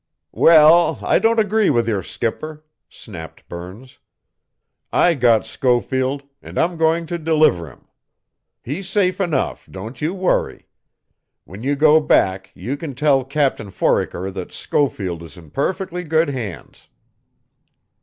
"Well, I don't agree with your skipper," snapped Burns. "I got Schofield, and I'm going to deliver him. He's safe enough, don't you worry. When you go back you can tell Captain Foraker that Schofield is in perfectly good hands."